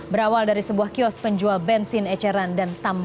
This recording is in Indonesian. berawal dari sebuah kios penjual bensin ecm